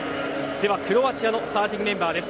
クロアチアのスターティングメンバーです。